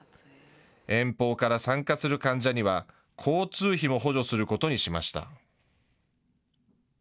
遠方から参加する患者には、交通費も補助することにしました。